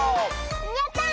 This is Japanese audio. やった！